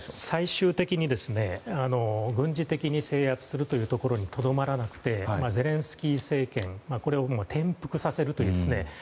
最終的に軍事的に制圧するというところにとどまらなくてゼレンスキー政権これを転覆させるという。